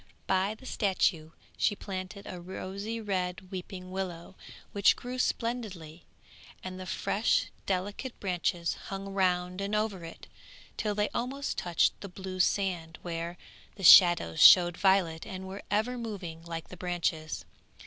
By the statue she planted a rosy red weeping willow which grew splendidly, and the fresh delicate branches hung round and over it, till they almost touched the blue sand where the shadows showed violet, and were ever moving like the branches.